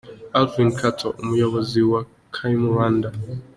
Alvin Katto umuyobozi wa Kaymu Rwanda.